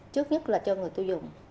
trước nhất là cho người tiêu dùng